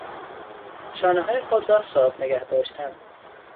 شانههای خود را صاف نگهداشتن